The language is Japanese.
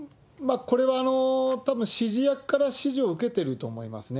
これはたぶん指示役から指示を受けてると思いますね。